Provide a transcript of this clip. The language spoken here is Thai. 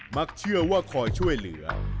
มักเชื่อว่าคอยช่วยเหลือ